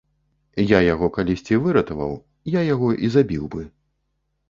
Я яго калісьці выратаваў, я яго і забіў бы.